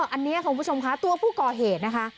อันนี้คุณผู้ชมค่ะตัวผู้ก่อเหตุนะคะ